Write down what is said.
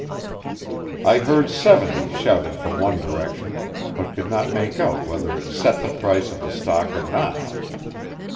I heard seventy shouted from one direction, but could not make out whether it set the price of the stock or not.